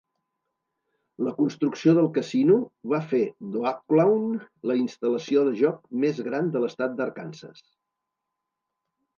La construcció del casino va fer d'Oaklawn la instal·lació de joc més gran de l'estat d'Arkansas.